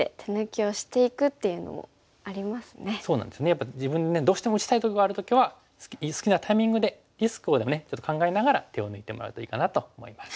やっぱり自分にどうしても打ちたいとこがある時は好きなタイミングでリスクをちょっと考えながら手を抜いてもらうといいかなと思います。